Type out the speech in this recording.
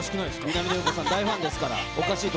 南野陽子さん、大ファンですから。